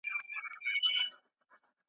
ایا د ټکنالوژۍ له لارې زده کړه ښه ده؟